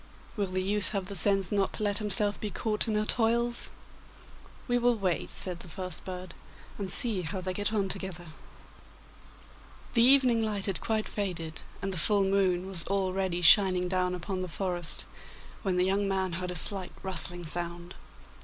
'Will the youth have the sense not to let himself be caught in her toils?' 'We will wait,' said the first bird, 'and see how they get on together.' The evening light had quite faded, and the full moon was already shining down upon the forest, when the young man heard a slight rustling sound.